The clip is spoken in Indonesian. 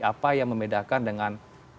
apa yang membedakan dengan dua ribu sembilan belas